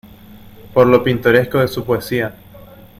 Por lo pintoresco de su poesía.